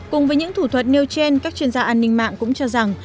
cùng với những thủ thuật nêu trên các chuyên gia an ninh mạng cũng cho rằng